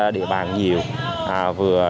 địa bàn nhiều vừa